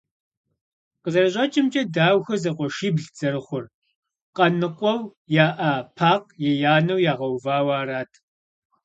Къызэрыщӏэкӏымкӏэ, Даухэ зэкъуэшиблт зэрыхъур, къаныкъуэу яӏа Пакъ еянэу ягъэувауэ арат.